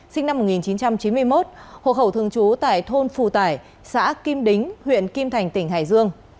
sinh năm một nghìn chín trăm chín mươi một hộ khẩu thường trú tại thôn phù tải xã kim đính huyện kim thành tỉnh hải dương